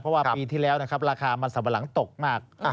เพราะว่าปีที่แล้วราคามันสำบราณตกมาก